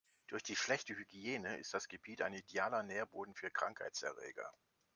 Durch die schlechte Hygiene ist das Gebiet ein idealer Nährboden für Krankheitserreger.